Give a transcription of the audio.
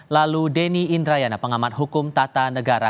lalu denny indrayana pengamat hukum tata negara